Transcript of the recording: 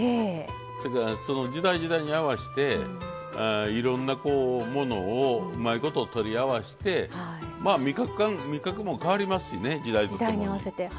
せやからその時代時代に合わしていろんなものをうまいこと取り合わしてまあ味覚も変わりますしね時代とともに。